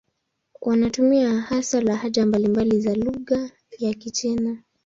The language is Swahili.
Wanatumia hasa lahaja mbalimbali za lugha ya Kichina.